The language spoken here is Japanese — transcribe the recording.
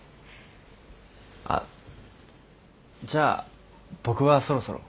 あっじゃあ僕はそろそろ。